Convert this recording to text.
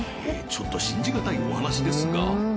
ちょっと信じがたいお話ですが？